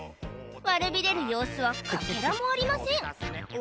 悪びれる様子はかけらもありません